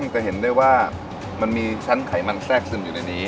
จะเห็นได้ว่ามันมีชั้นไขมันแทรกซึมอยู่ในนี้